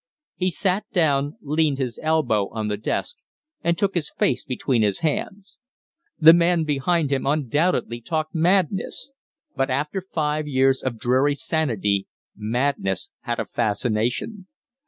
He sat down, leaned his elbow on the desk and took his face between his hands. The man behind him undoubtedly talked madness; but after five years of dreary sanity madness had a fascination.